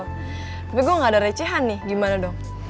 tapi gue gak ada recehan nih gimana dong